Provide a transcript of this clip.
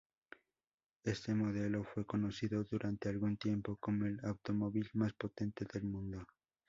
Este modelo fue conocido durante algún tiempo como el automóvil más potente del mundo.